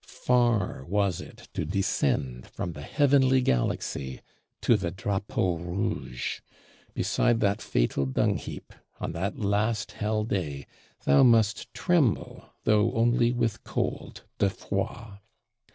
Far was it to descend from the heavenly Galaxy to the Drapeau Rouge: beside that fatal dung heap, on that last hell day, thou must "tremble", though only with cold "de froid."